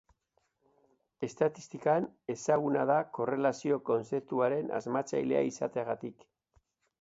Estatistikan, ezaguna da korrelazio kontzeptuaren asmatzailea izateagatik.